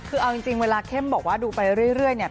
คือเอาจริงเวลาเข้มบอกว่าดูไปเรื่อยเนี่ย